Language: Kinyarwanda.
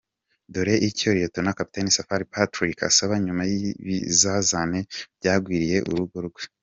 Dore icyo Rt.Capt Safari Patrick asaba nyuma y’ibizazane byagwiririye urugo rwe